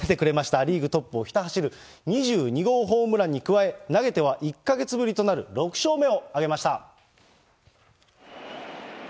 ア・リーグトップをひた走る２２号ホームランに加え、投げては１か月ぶりとなる、６勝目を挙げました。